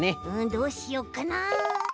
どうしよっかな。